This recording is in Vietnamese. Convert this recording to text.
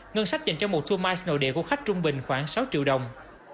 ngân sách dành cho một tour mice nội địa của khách trung bình khoảng sáu triệu đồng